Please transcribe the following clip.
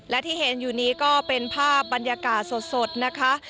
และที่เห็นอยู่นี้ก็เป็นภาพบรรยากาศสดนะคะ